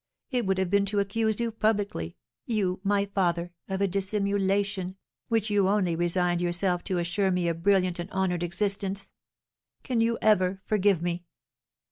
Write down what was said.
It would have been to accuse you publicly you, my father of a dissimulation, which you only resigned yourself to to assure me a brilliant and honoured existence! Can you ever forgive me?"